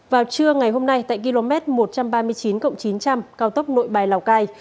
vào trưa ngày hôm nay tại km một trăm ba mươi chín chín trăm linh cao tốc nội bài lào cai